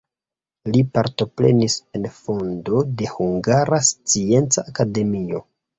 Li partoprenis en fondo de Hungara Scienca Akademio.